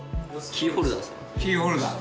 キーホルダー。